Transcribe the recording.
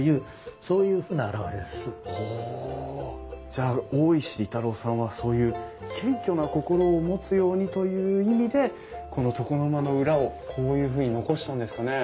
じゃあ大石利太郎さんはそういう謙虚な心を持つようにという意味でこの床の間の裏をこういうふうに残したんですかね？